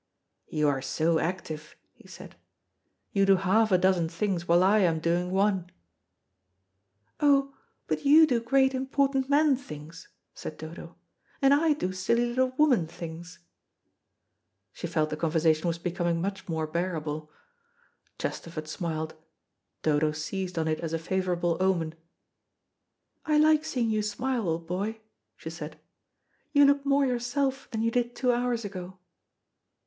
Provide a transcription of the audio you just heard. "You are so active," he said; "you do half a dozen things while I am doing one." "Oh, but you do great important man things," said Dodo, "and I do silly little woman things." She felt the conversation was becoming much more bearable. Chesterford smiled. Dodo seized on it as a favourable omen. "I like seeing you smile, old boy," she said; "you look more yourself than you did two hours ago."